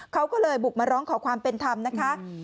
เขาก็เลยบุกมาร้องขอความเป็นธรรมนะคะ